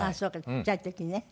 ちっちゃい時ね。